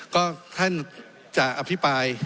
ก็ท่านจะอภิปราย